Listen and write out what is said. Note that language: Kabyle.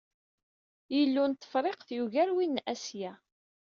Ilu n Tefriqt yugar win n Asya.